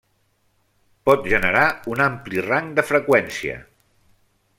Pot generar un ampli rang de freqüència.